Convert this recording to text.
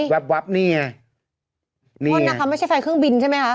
ว่านี่คะไม่ใช่ไฟเครื่องบินใช่ไหมคะ